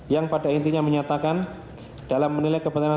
yang pada intinya menyatakan dalam menilai kebenaran